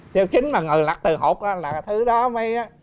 tiêu chính mà người lật từ hột ra là thứ đó mới đổ vô là một mươi hột như là một mươi